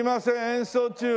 演奏中。